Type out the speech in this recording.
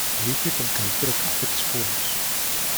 που είχε τον καλύτερο καφέ της πόλης